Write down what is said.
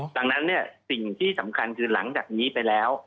ดังนั้นสิ่งที่สำคัญคือหลังจากนี้ไปแล้ว